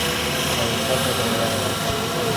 Каюта тәҙрәләре асыҡ.